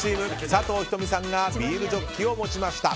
佐藤仁美さんがビールジョッキを持ちました。